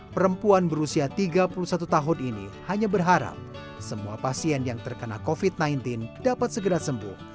perempuan berusia tiga puluh satu tahun ini hanya berharap semua pasien yang terkena covid sembilan belas dapat segera sembuh